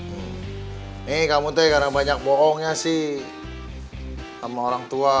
ini kamu tuh karena banyak bohongnya sih sama orang tua